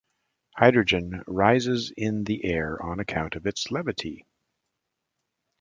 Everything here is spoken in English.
Hydrogen rises in the air on account of its levity.